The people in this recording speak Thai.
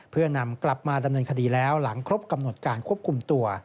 เพื่อนำกลับมาดำเนินคดีแล้วหลังครบกำหนดการควบคุมตัว